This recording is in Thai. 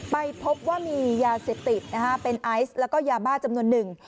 ไปพบว่ามียาเสพติดนะฮะเป็นไอซ์แล้วก็ยาบ้าจำนวนหนึ่ง